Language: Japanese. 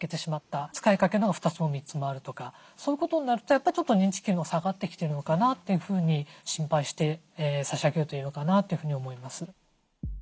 使いかけのが２つも３つもあるとかそういうことになるとやっぱりちょっと認知機能下がってきてるのかなというふうに心配して差し上げるといいのかなというふうに思います。